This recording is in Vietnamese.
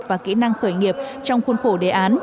và kỹ năng khởi nghiệp trong khuôn khổ đề án